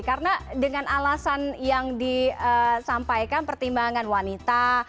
karena dengan alasan yang disampaikan pertimbangan wanita